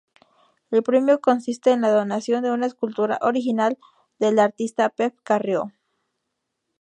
El premio consiste en la donación de una escultura original del artista Pep Carrió.